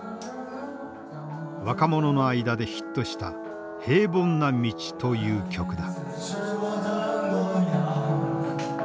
若者の間でヒットした「平凡な道」という曲だ。